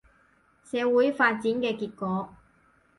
社會發展嘅結果